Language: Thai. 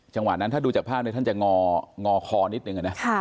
จังหวะนั้นถ้าดูจากภาพเนี่ยท่านจะงอคอนิดนึง